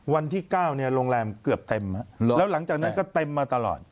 วันที่๙โรงแรมเกือบเต็มแล้วหลังจากนั้นก็เต็มมาตลอด